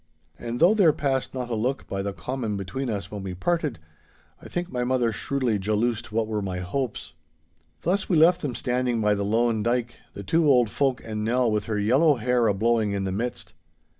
And though there passed not a look by the common between us when we parted, I think my mother shrewdly jaloosed what were my hopes. Thus we left them standing by the loan dyke, the two old folk and Nell with her yellow hair a blowing in the midst.